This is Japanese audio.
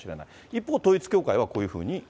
一方統一教会はこういうふうに。